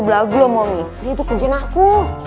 berlagu mami itu kuncin aku